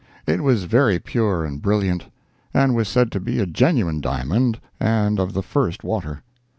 It was very pure and brilliant, and was said to be a genuine diamond, and of the first water.